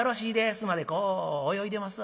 須磨でこう泳いでますわ。